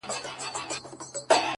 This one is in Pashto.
ماته هينداره څو نارونه او د خدای تصور’